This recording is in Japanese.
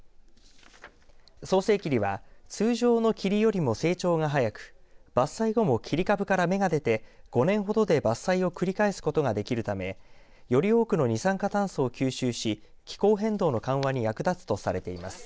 早生桐は通常の桐よりも成長が早く伐採後も切り株から芽が出て５年ほどで伐採を繰り返すことができるためより多くの二酸化炭素を吸収し気候変動の緩和に役立つとされています。